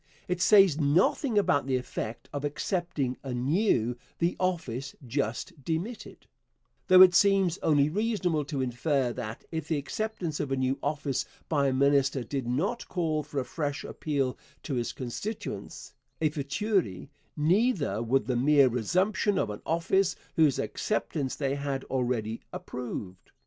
It says nothing about the effect of accepting anew the office just demitted, though it seems only reasonable to infer that, if the acceptance of a new office by a minister did not call for a fresh appeal to his constituents, a fortiori neither would the mere resumption of an office whose acceptance they had already approved.